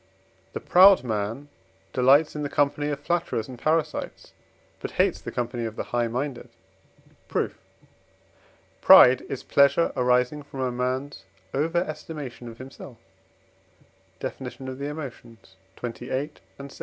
The proud man delights in the company of flatterers and parasites, but hates the company of the high minded. Proof. Pride is pleasure arising from a man's over estimation of himself (Def. of the Emotions, xxviii. and vi.)